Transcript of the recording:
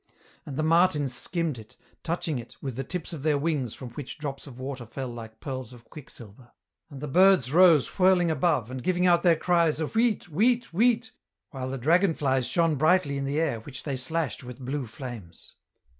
And the martins skimmed it, touching it with the tips of their wings from which drops of water fell like pearls of quicksilver. And the birds rose whirling EN ROUTE 215 above and giving out their cries of weet, weet, weet, while the dragon flies shone brightly in the air which they slashed with blue flames.